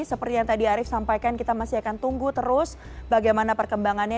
seperti yang tadi arief sampaikan kita masih akan tunggu terus bagaimana perkembangannya